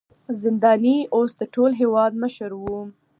زنداني اوس د ټول هېواد مشر و.